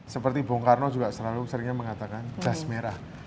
seperti bung karno juga selalu seringnya mengatakan jas merah